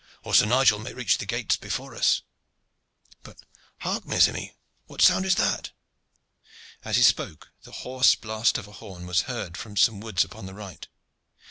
or Sir Nigel may reach the gates before us. But hark, mes amis, what sound is that?" As he spoke the hoarse blast of a horn was heard from some woods upon the right.